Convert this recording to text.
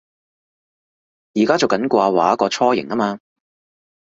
而家做緊掛畫個雛形吖嘛